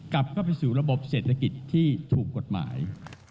กลับเข้าไปสู่ระบบเศรษฐกิจที่ถูกกฎหมาย